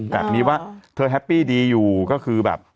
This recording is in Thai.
แบบนี้ว่าเธอแฮปปี้ดีอยู่ก็คือแบบ